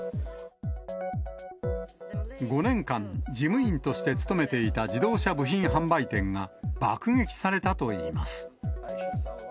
５年間、事務員として勤めていた自動車部品販売店が爆撃されたといいます。